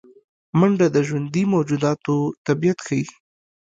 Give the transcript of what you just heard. منډه د ژوندي موجوداتو طبیعت ښيي